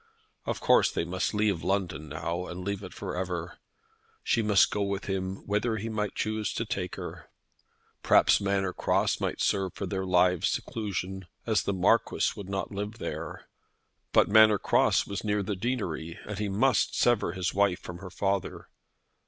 Of course they must leave London now, and leave it for ever. She must go with him whither he might choose to take her. Perhaps Manor Cross might serve for their lives' seclusion, as the Marquis would not live there. But Manor Cross was near the deanery, and he must sever his wife from her father.